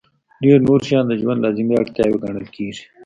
ډېر نور شیان د ژوند لازمي اړتیاوې ګڼل کېږي.